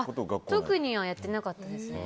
特にはやってなかったですね。